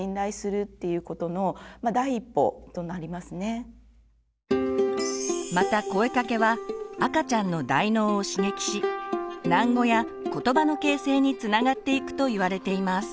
ですからまた声かけは赤ちゃんの大脳を刺激し喃語やことばの形成につながっていくといわれています。